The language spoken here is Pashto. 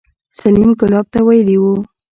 سليم ګلاب ته ويلي وو.